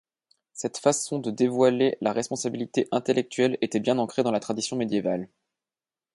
Cette façon de dévoiler la responsabilité intellectuelle était bien ancrée dans la tradition médiévale.